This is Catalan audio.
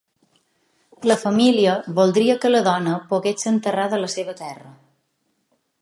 La família voldria que la dona pogués ser enterrada a la seva terra.